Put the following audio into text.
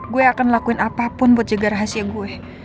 gue akan lakuin apapun buat jaga rahasia gue